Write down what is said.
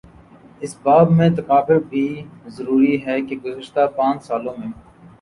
اس باب میں تقابل بھی ضروری ہے کہ گزشتہ پانچ سالوں میں